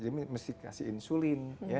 dia mesti kasih insulin